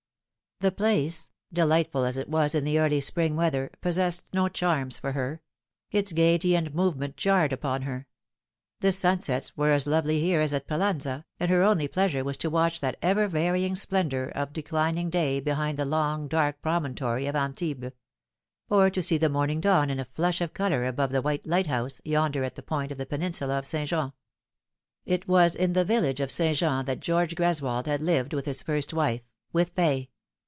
The place, delightful as it was in the early spring weather, possessed no charms for her. Its gaiety and movement jarred upon her. The sunsets were as lovely here as at Pallanza, and her only pleasure was to watch that ever varying splendour of declining day behind the long dark promontory of An tibes ; or to see the morning dawn in a flush of colour above the white lighthouse yonder at the point of the peninsula of St. Jean. It was in the village of St. Jean that George Gres wold had lived with his first wife with Fay.